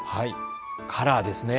カラーですね。